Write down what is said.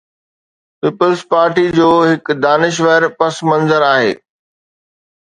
Peoples Party جو هڪ دانشور پس منظر آهي.